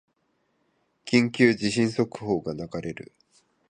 緊急地震速報が流れる